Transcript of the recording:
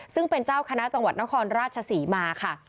ซึ่งเป็นเจ้าคณะจังหวัดนครราชศรีมาค่ะ